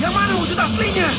yang mana wujud aslinya